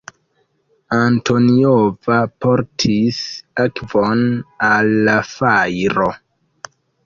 Antoniova portis akvon al la fajro.